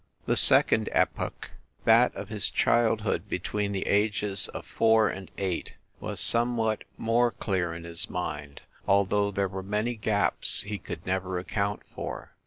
... The second epoch, that of his childhood between the ages of four and eight, was somewhat more clear in his mind, although there were many gaps he could never account for.